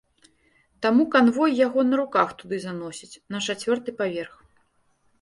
Таму канвой яго на руках туды заносіць, на чацвёрты паверх.